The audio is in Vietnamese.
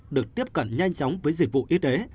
được tiếp cận nhanh chóng với dịch vụ y tế